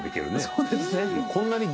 そうですね